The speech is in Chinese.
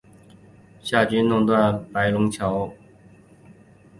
夏军弄断白龙江桥。